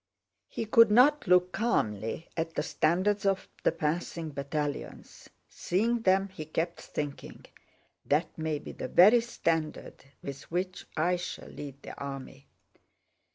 He could not look calmly at the standards of the passing battalions. Seeing them he kept thinking, "That may be the very standard with which I shall lead the army."